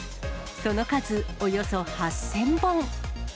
その数およそ８０００本。